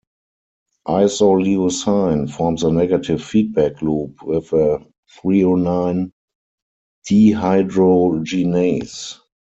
Isoleucine forms a negative feedback loop with threonine dehydrogenase.